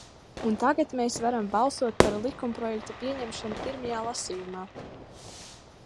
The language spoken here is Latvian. Un tagad mēs varam balsot par likumprojekta pieņemšanu pirmajā lasījumā.